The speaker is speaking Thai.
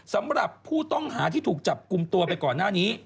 สำหรับผู้ต้องหาที่ถูกจับกลุ่มตัวไปก่อนหน้านี้